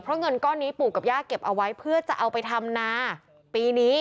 เพราะเงินก้อนนี้ปู่กับย่าเก็บเอาไว้เพื่อจะเอาไปทำนาปีนี้